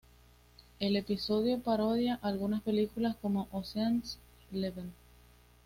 El episodio parodia algunas películas como Ocean's Eleven.